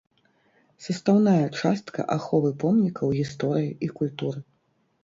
Састаўная частка аховы помнікаў гісторыі і культуры.